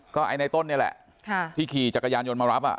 ก็ไอ้ในต้นนี่แหละที่ขี่จักรยานยนต์มารับ